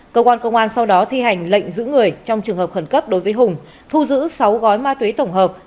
cơ quan công an sau đó thi hành lệnh giữ người trong trường hợp khẩn cấp đối với hùng thu giữ sáu gói ma túy tổng hợp